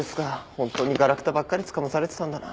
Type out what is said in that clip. ホントにがらくたばっかりつかまされてたんだな。